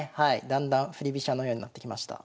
だんだん振り飛車のようになってきました。